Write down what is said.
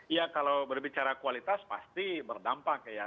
ya kalau berbicara kualitas pasti berdampak ya